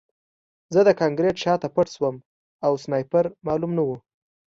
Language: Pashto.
زه د کانکریټ شاته پټ شوم او سنایپر معلوم نه و